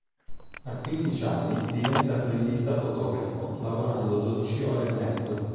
A quindici anni diventa apprendista fotografo, lavorando dodici ore e mezzo.